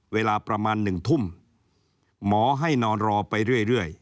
เวลาประมาณหนึ่งทุ่มหมอให้นอนรอไปเรื่อยเรื่อย